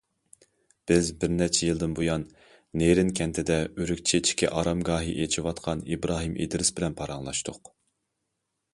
بىز بىرنەچچە يىلدىن بۇيان نېرىن كەنتىدە‹‹ ئۆرۈك چېچىكى›› ئارامگاھىنى ئېچىۋاتقان ئىبراھىم ئىدرىس بىلەن پاراڭلاشتۇق.